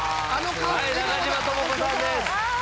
中島知子さんです。